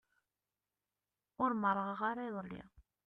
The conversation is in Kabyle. Ur merrɣeɣ ara iḍelli.